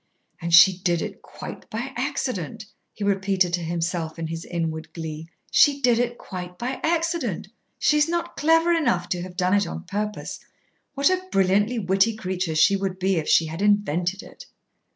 "And she did it quite by accident!" he repeated to himself in his inward glee. "She did it quite by accident! She's not clever enough to have done it on purpose. What a brilliantly witty creature she would be if she had invented it!"